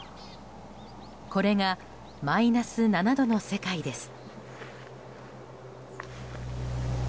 これがマイナス７度の世界です。